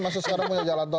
masa sekarang punya jalan tol